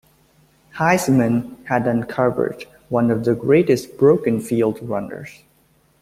Heisman had uncovered one of the greatest broken-field runners.